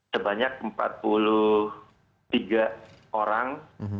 sebanyak empat puluh tiga orang